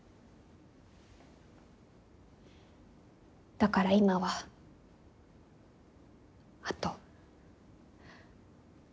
だから今はあと。